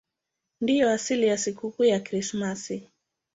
Ndiyo asili ya sikukuu ya Krismasi.